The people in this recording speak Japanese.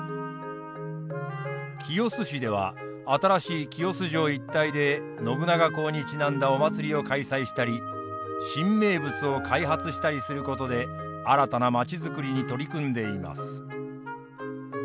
清須市では新しい清洲城一帯で信長公にちなんだお祭りを開催したり新名物を開発したりすることで新たな街づくりに取り組んでいます。